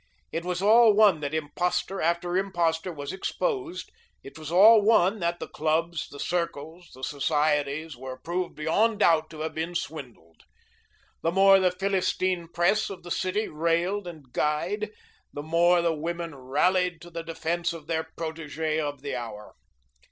It was all one that impostor after impostor was exposed; it was all one that the clubs, the circles, the societies were proved beyond doubt to have been swindled. The more the Philistine press of the city railed and guyed, the more the women rallied to the defence of their protege of the hour.